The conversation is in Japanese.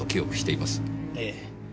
ええ。